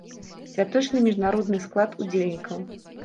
Святочны міжнародны склад удзельнікаў.